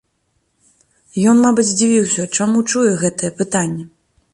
Ён, мабыць, здзівіўся, чаму чуе гэтае пытанне.